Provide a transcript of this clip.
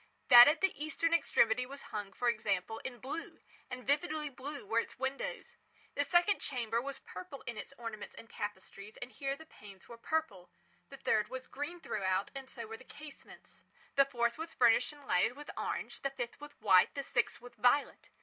That at the eastern extremity was hung, for example in blue—and vividly blue were its windows. The second chamber was purple in its ornaments and tapestries, and here the panes were purple. The third was green throughout, and so were the casements. The fourth was furnished and lighted with orange—the fifth with white—the sixth with violet.